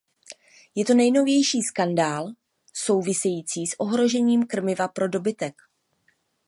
Je to nejnovější skandál související s ohrožením krmiva pro dobytek.